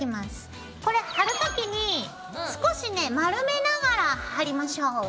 これ貼る時に少しね丸めながら貼りましょう。